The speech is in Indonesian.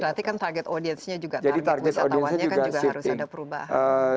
berarti kan target audiensnya juga target wisatawannya kan juga harus ada perubahan